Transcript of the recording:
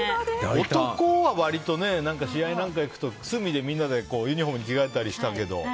男は割とね、試合なんか行くと隅でみんなでユニホームに着替えたりしてたけど。